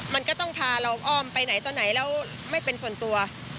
มันก็ต้องพาเราอ้อมไปไหนต่อไหนแล้วไม่เป็นส่วนตัว